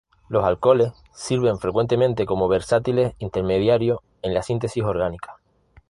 Los alcoholes sirven frecuentemente como versátiles intermediarios en la síntesis orgánica.